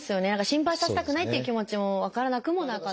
心配させたくないっていう気持ちも分からなくもなかった。